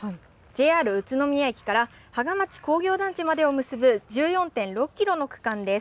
ＪＲ宇都宮駅から芳賀町工業団地までを結ぶ１４．６キロの区間です。